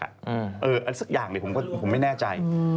อะไรสักอย่างเดี๋ยวผมไม่แน่ใจ